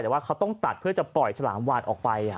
แต่ว่าเขาต้องตัดเพื่อจะปล่อยฉลามวานออกไป